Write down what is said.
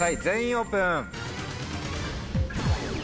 全員オープン！